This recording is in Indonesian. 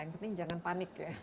yang penting jangan panik ya